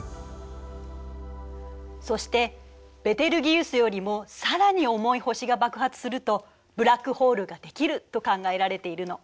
そしてベテルギウスよりも更に重い星が爆発するとブラックホールができると考えられているの。